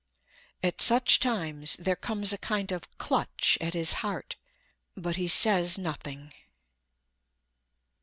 At such times there comes a kind of clutch at his heart, but he says nothing.